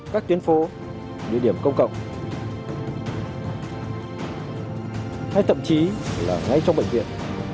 các tuyến phố địa điểm công cộng hay thậm chí là ngay trong bệnh viện